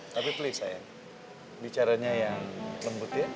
tapi please saya bicaranya yang lembut ya